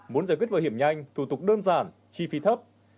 muốn giải quyết bảo hiểm nhanh thủ tục đơn giản chi phí thấp